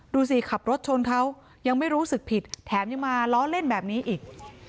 ขับรถชนเขายังไม่รู้สึกผิดแถมยังมาล้อเล่นแบบนี้อีก